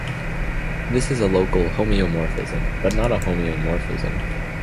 This is a local homeomorphism but not a homeomorphism.